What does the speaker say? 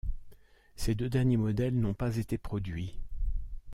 Ces deux derniers modèles n'ont pas été produits.